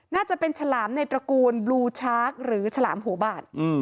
น่าจะเป็นฉลามในตระกูลบลูชาร์คหรือฉลามหัวบาด